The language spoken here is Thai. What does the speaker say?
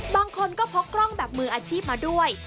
บางคนก็พกกล้องแบบมืออาชีพมาด้วย